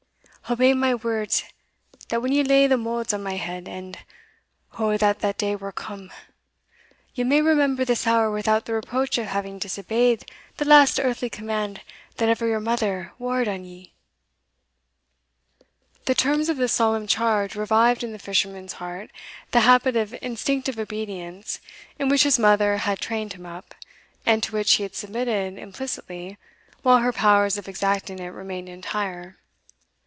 Obey my words, that when ye lay the moulds on my head and, oh that the day were come! ye may remember this hour without the reproach of having disobeyed the last earthly command that ever your mother wared on you." The terms of this solemn charge revived in the fisherman's heart the habit of instinctive obedience in which his mother had trained him up, and to which he had submitted implicitly while her powers of exacting it remained entire.